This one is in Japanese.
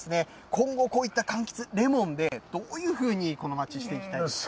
今後、こういったかんきつ、レモンで、どういうふうにこの町、していきたいですか。